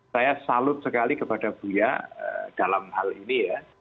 saya salut sekali kepada buya dalam hal ini ya